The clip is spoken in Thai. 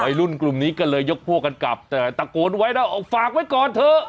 รุ่นกลุ่มนี้ก็เลยยกพวกกันกลับแต่ตะโกนไว้แล้วเอาฝากไว้ก่อนเถอะ